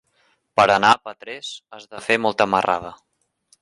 Per anar a Petrés has de fer molta marrada.